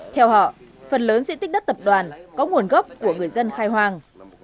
theo họ phần lớn diện tích đất tập đoàn có nguồn gốc của người dân khai hoang